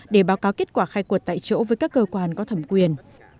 để báo cáo kết quả khai quật tại chỗ với các cơ quan có thẩm quyền